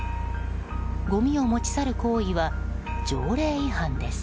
ごみを持ち去る行為は条例違反です。